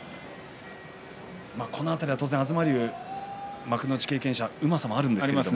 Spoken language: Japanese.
この辺り、当然東龍幕内経験者、うまさもあるでしょうけれども。